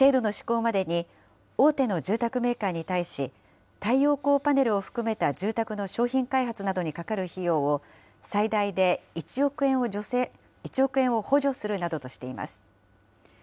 このほか制度の施行までに大手の住宅メーカーに対し、太陽光パネルを含めた住宅の商品開発などにかかる費用を、最大で１億円を補助するなどとしています。